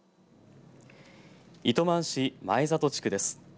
糸満市真栄里地区です。